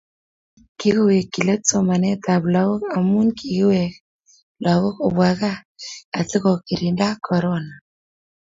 Kikowekchi let somanetab lagok amu kikiwek lagok kobwa gaa asikogirinda korona